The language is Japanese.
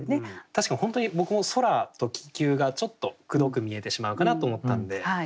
確かに本当に僕も「空」と「気球」がちょっとくどく見えてしまうかなと思ったんで。